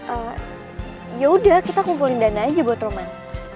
eh yaudah kita kumpulin dana aja buat roman